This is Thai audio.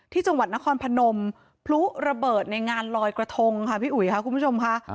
ที่จังหวัดนครพนมพลุระเบิดในงานลอยกระทงค่ะพี่อุ๋ยค่ะคุณผู้ชมค่ะ